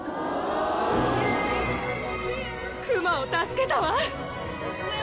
クマを助けたわ！